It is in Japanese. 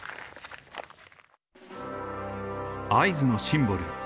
会津のシンボル